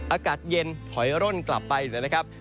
อากาศเย็นถอยร่นกลับไปนะครับ